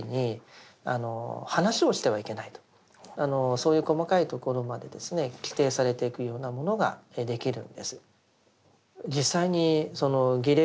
そういう細かいところまで規定されていくようなものができるんです。